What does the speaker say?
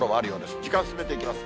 時間進めていきます。